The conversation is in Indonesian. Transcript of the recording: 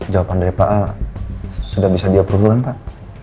jawaban dari pak a sudah bisa diatur dulu kan pak